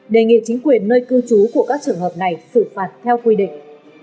đề nghị chính quyền nơi cư trú của các trường hợp này xử phạt theo quy định